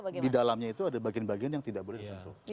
nah ini ada di dalamnya itu ada bagian bagian yang tidak boleh tersentuh